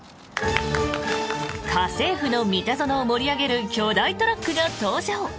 「家政夫のミタゾノ」を盛り上げる巨大トラックが登場。